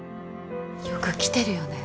よく来てるよね